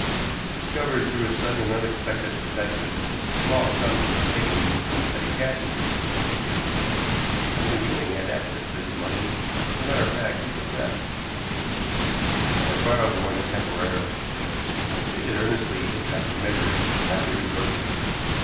It was discovered through a sudden and unexpected inspection that certain small sums had been taken from the petty cash of this department. Only Ewing had access to this money, and, as a matter of fact, he confessed. He had only borrowed the money temporarily, he said, and pleaded earnestly that drastic measures should not be resorted to.